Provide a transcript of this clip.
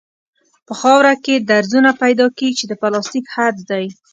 په خاوره کې درزونه پیدا کیږي چې د پلاستیک حد دی